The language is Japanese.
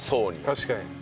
確かに。